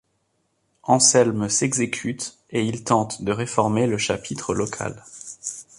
Anselme s'exécute et il tente de réformer le chapitre local.